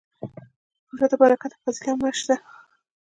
روژه د برکت او فضیله میاشت ده